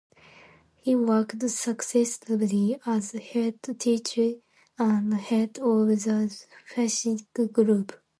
He worked successively as head teacher and head of the physics group.